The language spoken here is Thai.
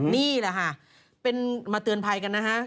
นี่แหละค่ะเป็นมาเตือนภัยกันนะฮะ